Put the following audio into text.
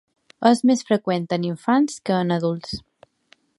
És més freqüent en infants que en adults.